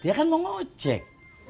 dia kan mau ngojek